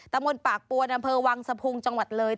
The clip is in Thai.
ตำบลปากปวนอำเภอวังสะพุงจังหวัดเลย